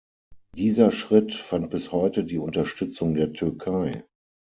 Dieser Schritt fand bis heute die Unterstützung der Türkei.